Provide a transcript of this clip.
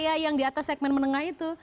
orang kaya yang di atas segmen menengah itu